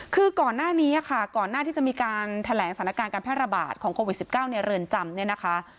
คือก่อนหน้านี้ค่ะก่อนหน้าที่จะมีการแถลงสถานการณ์การแพร่ระบาดของโควิด๑๙ในเรือนจำเนี่ยนะคะ